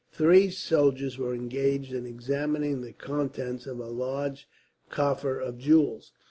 Three soldiers were engaged in examining the contents of a large coffer of jewels.